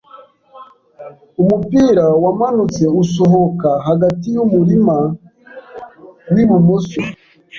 Umupira wamanutse usohoka hagati yumurima wibumoso.